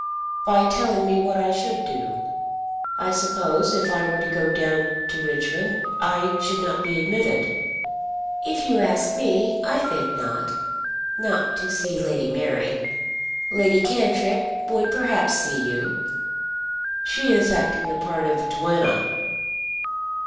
"By telling me what I should do. I suppose if I were to go down to Richmond I should not be admitted." "If you ask me, I think not; not to see Lady Mary. Lady Cantrip would perhaps see you." "She is acting the part of duenna."